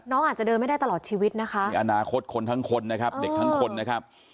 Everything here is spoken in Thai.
น้องอาจจะเดินไม่ได้ตลอดชีวิตนะคะมีอนาคตคนทั้งคนนะครับเด็กทั้งคนนะครับ